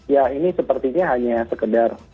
ya ini sepertinya hanya sekedar